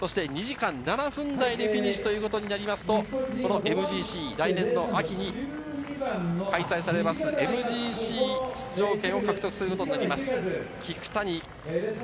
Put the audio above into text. そして２時間７分台でフィニッシュとなりますとＭＧＣ、来年の秋に開催されるＭＧＣ出場権を獲得することになります、聞谷。